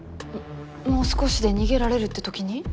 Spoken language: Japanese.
もう少しで逃げられるって時に？